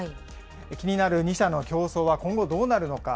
気になる２社の競争は今後どうなるのか。